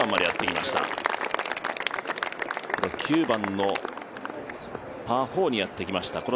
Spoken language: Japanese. ９番のパー４にやってきました。